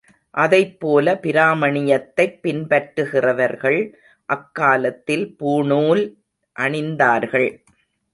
அதைப்போல பிராமணியத்தைப் பின்பற்றுகிறவர்கள் அக்காலத்தில் பூணூல் அணிந்தார்கள்.